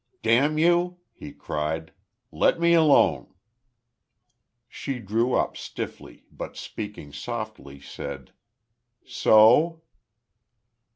"Damn you!" he cried. "Let me alone!" She drew up, stiffly, but speaking softly, said, "So?"